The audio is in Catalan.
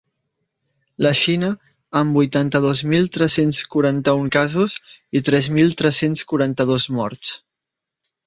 La Xina, amb vuitanta-dos mil tres-cents quaranta-un casos i tres mil tres-cents quaranta-dos morts.